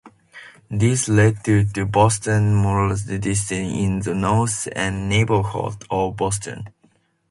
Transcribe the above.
This led to the Boston Molasses Disaster in the North End neighborhood of Boston.